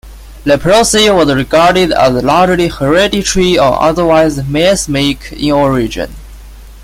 Leprosy was regarded as largely hereditary or otherwise miasmic in origin.